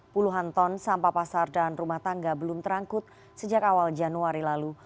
puluhan ton sampah pasar dan rumah tangga belum terangkut sejak awal januari lalu